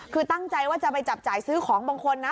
คือตั้งใจว่าจะไปจับจ่ายซื้อของบางคนนะ